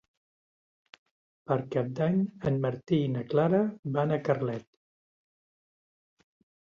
Per Cap d'Any en Martí i na Clara van a Carlet.